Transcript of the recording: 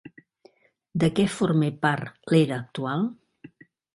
De què forma part l'era actual?